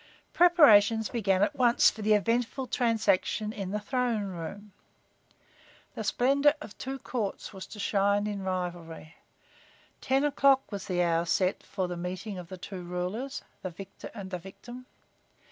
Preparations began at once for the eventful transaction in the throne room. The splendor of two Courts was to shine in rivalry. Ten o'clock was the hour set for the meeting of the two rulers, the victor and the victim.